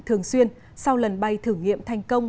thường xuyên sau lần bay thử nghiệm thành công